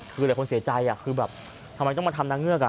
คือหลายคนเสียใจคือแบบทำไมต้องมาทำนางเงือก